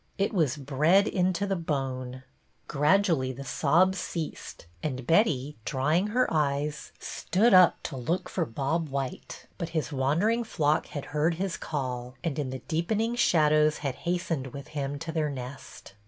It was bred into the bone ! Gradually the sobs ceased, and Betty, drying 12 BETTY BAIRD'S VENTURES her eyes, stood up to look for Bob white ; but his wandering flock had heard his call, and in the deepening shadows had hastened with him to their nest.